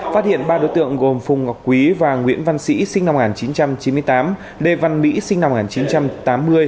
phát hiện ba đối tượng gồm phùng ngọc quý và nguyễn văn sĩ sinh năm một nghìn chín trăm chín mươi tám lê văn mỹ sinh năm một nghìn chín trăm tám mươi